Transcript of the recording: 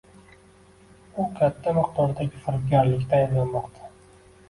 U katta miqdordagi firibgarlikda ayblanmoqda